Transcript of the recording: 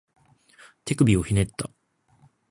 手首をひねった